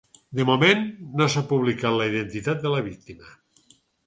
De moment, no s’ha publicat la identitat de la víctima.